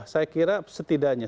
saya kira setidaknya